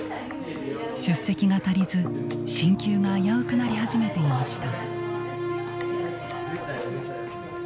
出席が足りず進級が危うくなり始めていました。